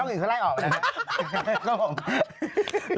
ช่วงอื่นเขาไล่ออกแล้วนะ